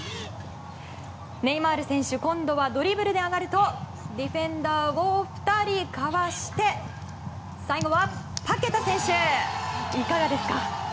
ネイマール選手今度はドリブルで上がるとディフェンダーを２人かわして最後は、パケタ選手！